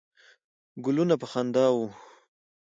ګلونه په خندا وه.